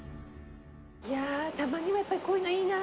いやたまにはこういうのいいな。